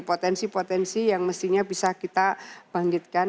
potensi potensi yang mestinya bisa kita bangkitkan